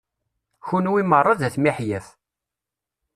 Kunwi meṛṛa d at miḥyaf.